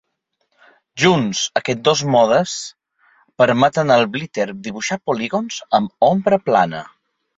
Junts, aquests dos modes permeten al blitter dibuixar polígons amb ombra plana.